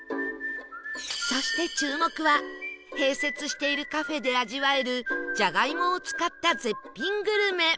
そして注目は併設しているカフェで味わえるじゃがいもを使った絶品グルメ